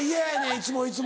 いつもいつも。